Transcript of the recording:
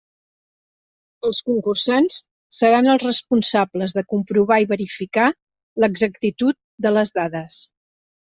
Els concursants seran els responsables de comprovar i verificar l'exactitud de les dades.